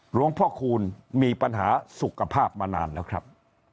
หลวงพ่อคูณมีปัญหาสุขภาพมานานแล้วครับ